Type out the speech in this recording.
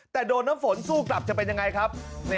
แต่โดนน้ำฝนสู้กลับจะเป็นยังไงครับ